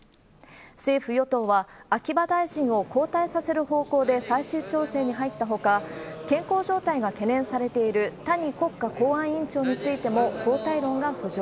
政府・与党は、秋葉大臣を交代させる方向で最終調整に入ったほか、健康状態が懸念されている谷国家公安委員長についても、交代論が浮上。